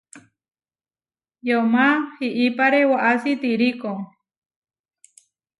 Yomá iʼipáre waʼási tirikó.